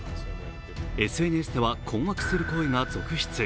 ＳＮＳでは困惑する声が続出。